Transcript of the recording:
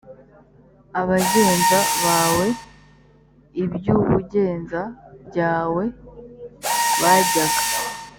abagenza bawe iby ubugenza byawe bajyaga